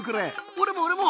俺も俺も！